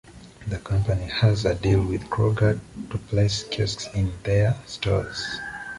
The company has a deal with Kroger to place kiosks in their stores.